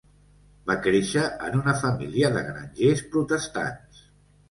Va créixer en una família de grangers protestants.